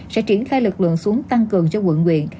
sẽ triển khai lực lượng xuống tăng cường cho quận quyện